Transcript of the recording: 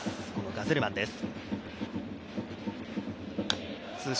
ガゼルマンです。